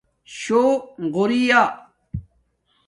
شوغوری یہ